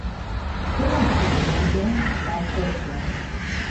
Domoçili, ma do baxvetzi.